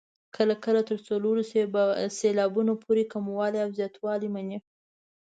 کله کله تر څلورو سېلابونو پورې کموالی او زیاتوالی مني.